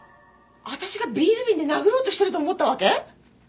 私がビール瓶で殴ろうとしてると思ったわけ？